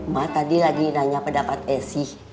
ma tadi lagi nanya pendapat esy